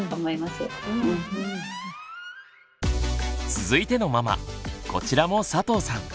続いてのママこちらも佐藤さん。